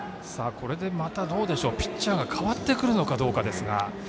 これでまたピッチャーが代わってくるのかどうかですが。